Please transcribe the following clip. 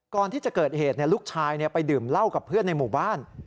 ก่อนที่จะเกิดเหตุลูกชายไปดื่มเหล้ากับเพื่อนในหมู่บ้าน